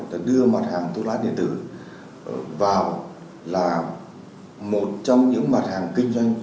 là đưa mặt hàng thuốc lá điện tử vào là một trong những mặt hàng kinh doanh